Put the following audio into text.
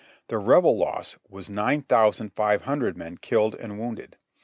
The Rebel loss was nine thousand five hundred men killed and wounded.